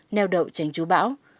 neo đậu tránh chú bão